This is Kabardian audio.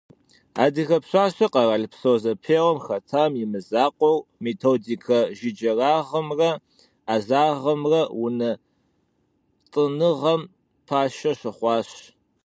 Adıge pşaşer kheralpso zepêuem xetam yi mızakhueu, «Mêtodike jjıcerağımre 'ezağımre» vunet'ınığem paşşe şıxhuaş.